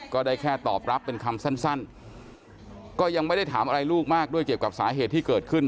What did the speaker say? ก็ได้แค่ตอบรับเป็นคำสั้นก็ยังไม่ได้ถามอะไรลูกมากด้วยเกี่ยวกับสาเหตุที่เกิดขึ้น